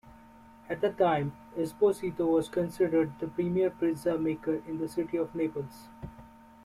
At that time, Esposito was considered the premier pizza-maker in the city of Naples.